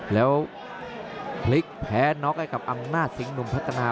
แล้วพลิกแพ้น็อกให้กับอำนาจสิงหนุ่มพัฒนา